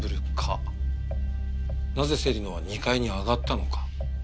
「なぜ芹野は２階に上がったのか」